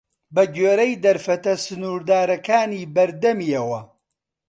بە گوێرەی دەرفەتە سنووردارەکانی بەردەمیەوە